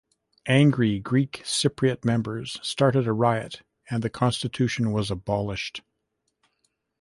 Angry Greek Cypriot members started a riot and the constitution was abolished.